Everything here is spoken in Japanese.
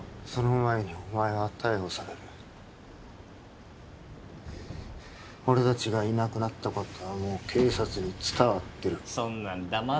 その前にお前は逮捕される俺達がいなくなったことはもう警察に伝わってるそんなんだ